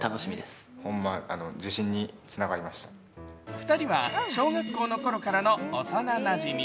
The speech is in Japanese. ２人は小学校のころからの幼なじみ。